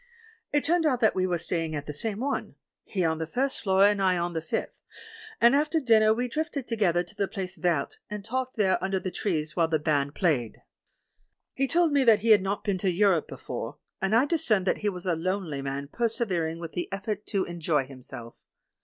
It turned out that we were stapng at the same one, he on the first floor and I on the fifth, and after dinner we drifted together to the place Verte, and talked there under the trees while the band played. He told me that he had not been to Europe be fore, and I discerned that he was a lonely man persevering with the effort to enjoy himself.